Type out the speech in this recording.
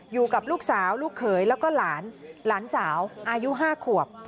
อยู่กับลูกสาวลูกเขยแล้วก็หลานหลานสาวอายุ๕ขวบ